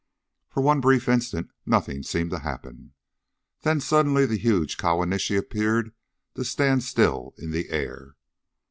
For one brief instant nothing seemed to happen. Then suddenly the huge Kawanishi appeared to stand still in the air.